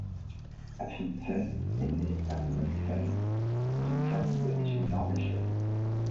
Anfinsen est né à Monessen d'une famille d'origine norvégienne.